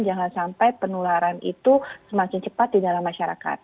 jangan sampai penularan itu semakin cepat di dalam masyarakat